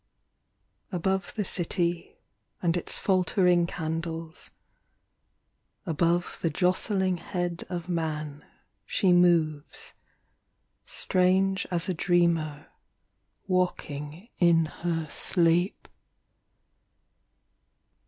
Above the city and its faltering candles, Above the jostling head of man she moves Strange as a dreamer walking in her sleep.